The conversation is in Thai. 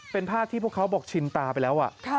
เป็นภาพที่พวกเขาบอกชินตาไปแล้ว